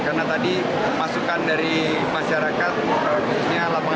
karena tadi masukan dari masyarakat khususnya lapangan kerja